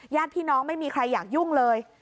ญาติพี่น้องไม่มีใครอยากยุ่งเลย